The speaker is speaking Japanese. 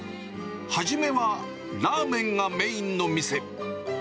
初めはラーメンがメインの店。